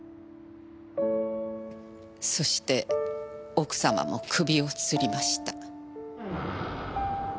そして奥様も首を吊りました。